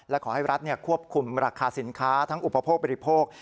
และขอให้รัฐควบคุมราคาสินค้าทั้งอุปโภคบริโภค